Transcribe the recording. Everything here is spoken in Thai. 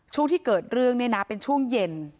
ช่วงที่เกิดเรื่องเนี่ยนะเป็นช่วงเย็น